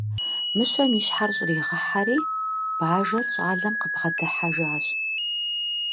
Мыщэм и щхьэр щӏригъэхьэри, бажэр щӏалэм къыбгъэдыхьэжащ.